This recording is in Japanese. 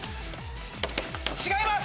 違います！